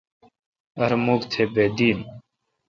ار مک تھ بید دین۔